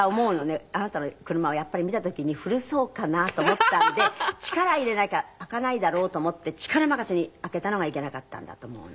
あなたの車をやっぱり見た時に古そうかなと思ったんで力入れなきゃ開かないだろうと思って力任せに開けたのがいけなかったんだと思うの。